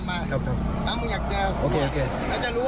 ไม่ต้องถ่ายรูปหรอกครับ